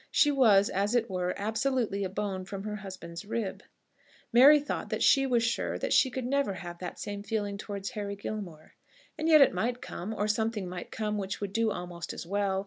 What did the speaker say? She was, as it were, absolutely a bone from her husband's rib. Mary thought that she was sure that she could never have that same feeling towards Henry Gilmore. And yet it might come; or something might come which would do almost as well.